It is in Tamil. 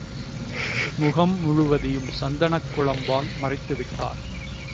முகம் முழுவதையும் சந்தனக் குழம்பால் மறைத்துவிட்டார்.